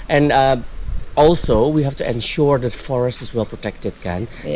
dan juga kita harus memastikan hutan itu terlindung